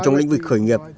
trong lĩnh vực khởi nghiệp